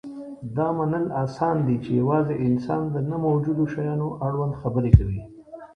دا منل اسان دي، چې یواځې انسان د نه موجودو شیانو اړوند خبرې کوي.